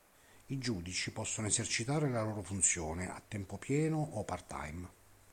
I giudici possono esercitare la loro funzione a tempo pieno o part-time.